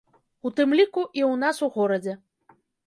У тым ліку, і ў нас у горадзе.